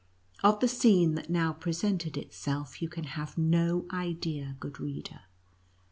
Of the scene that now presented itself you can have no idea, good reader.